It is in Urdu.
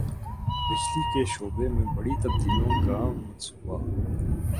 بجلی کے شعبے میں بڑی تبدیلوں کا منصوبہ